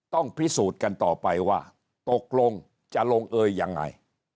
ต้องพิสูจน์กันต่อไปว่าตกลงจะลงเอยยังไง